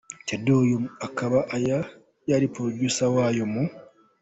Thedor, uyu akaba yari Producer wayo mu.